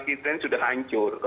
kita sudah hancur